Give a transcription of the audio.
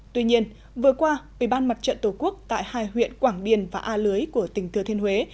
tuy nhiên vừa qua ubnd tổ quốc tại hai huyện quảng biên và a lưới của tỉnh thừa thiên huế